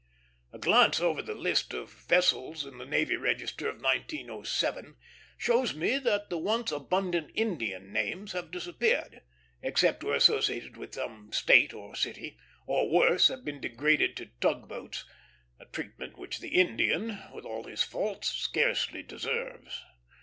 A glance over the list of vessels in the Navy Register of 1907 shows me that the once abundant Indian names have disappeared, except where associated with some State or city; or, worse, have been degraded to tugboats, a treatment which the Indian, with all his faults, scarcely deserves.